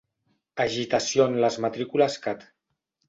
Agitació en les matrícules Cat.